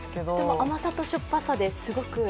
甘さとしょっぱさですごく。